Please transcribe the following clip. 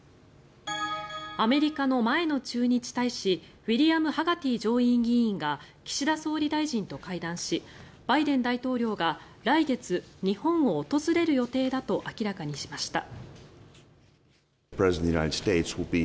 アメリカの前の駐日大使ウィリアム・ハガティ上院議員が岸田総理大臣と会談しバイデン大統領が来月、日本を訪れる予定だと明らかにしました。